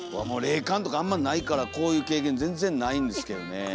霊感とかあんまないからこういう経験全然ないんですけどね。